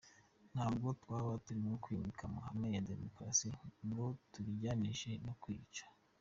Ntabwo twaba turimo kwimika amahame ya Demokarasi, ngo tubijyanishe no kuyica.